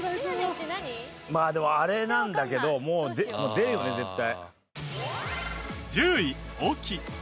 まあでもあれなんだけどもう出るよね絶対。